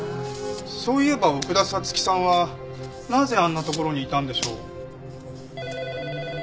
そういえば奥田彩月さんはなぜあんな所にいたんでしょう？